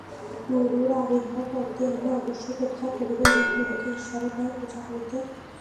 গুরুর আবির্ভাব অবধি আমরা অবশ্যই প্রতীক্ষা করিব এবং গুরুকে ঈশ্বরের ন্যায় পূজা করিতে হইবে।